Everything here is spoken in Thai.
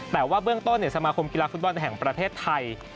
แต่ว่าเบื้องต้นสมาคมกีฬาฟุตบอลแห่งประเทศไทย